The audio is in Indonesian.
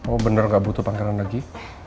oh bener gak butuh pangeran lagi